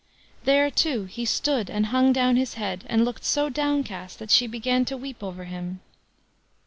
There, too, he stood and hung down his head, and looked so downcast that she began to weep over him.